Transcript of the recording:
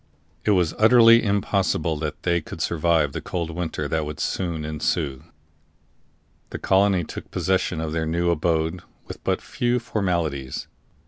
It was utterly impossible that they could survive the cold that would soon ensue. The colony took possession of their new abode with but few formalities.